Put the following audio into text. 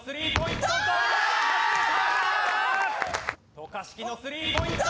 渡嘉敷のスリーポイント。